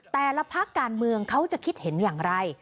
แต่ละพักการเมืองเขาจะคิดเห็นอย่างไร